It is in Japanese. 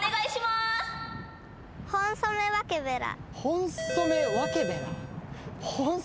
ホンソメワケベラ。